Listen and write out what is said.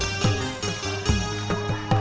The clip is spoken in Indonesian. cek paling acing lagi pergi sebentar